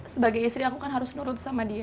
sebagai istri aku kan harus nurut sama dia